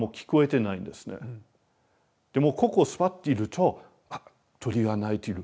でもここ座っているとあっ鳥が鳴いてる。